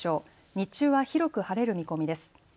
日中は広く晴れる見込みです。